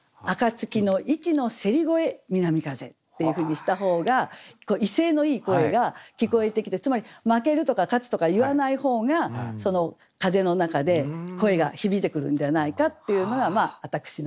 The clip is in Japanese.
「暁の市の競り声南風」っていうふうにした方が威勢のいい声が聞こえてきてつまり負けるとか勝つとか言わない方がその風の中で声が響いてくるんではないかっていうのが私の。